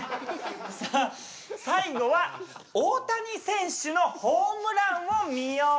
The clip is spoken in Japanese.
さあ最後は大谷選手のホームランを見ようです。